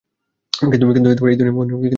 কিন্তু এই দুনিয়ায় অনেক কিছু আছে।